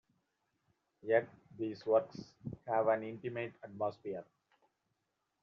Yet these works have an intimate atmosphere.